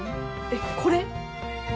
えっこれ？